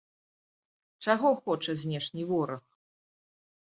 Чаго хоча знешні вораг?